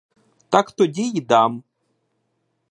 Так тоді й дам.